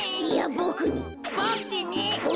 ボクちんに！